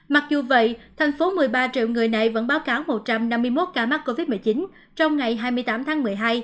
mặc dù vậy thành phố một mươi ba triệu người này vẫn báo cáo một trăm năm mươi một ca mắc covid một mươi chín trong ngày hai mươi tám tháng một mươi hai